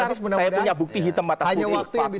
saya punya bukti hitam atas bukti